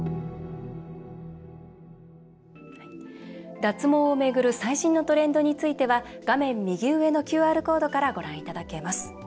脱毛を巡る最新のトレンドについては画面右上のＱＲコードからご覧いただけます。